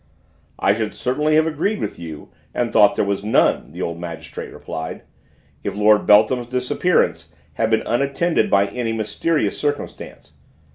"I should certainly have agreed with you and thought there was none," the old magistrate replied, "if Lord Beltham's disappearance had been unattended by any mysterious circumstance.